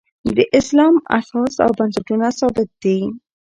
د اسلام اساس او بنسټونه ثابت دي.